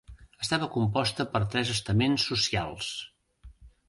Estava composta per tres estaments socials:.